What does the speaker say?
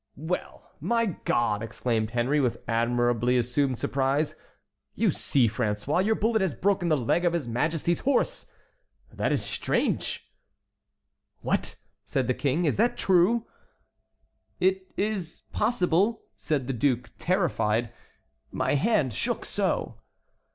"Well! my God!" exclaimed Henry, with admirably assumed surprise; "you see, François, your bullet has broken the leg of his Majesty's horse. That is strange!" "What!" said the King; "is that true?" "It is possible," said the duke terrified; "my hand shook so!"